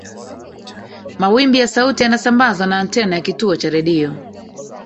mawimbi ya sauti yanasambazwa na antena ya kituo cha redio